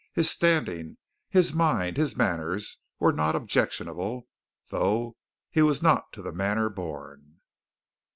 His standing, his mind, his manners, were not objectionable, though he was not to the manner born.